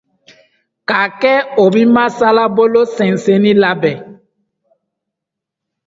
- k’a kɛ o bi masalabolo sɛnsɛnnin labɛn ;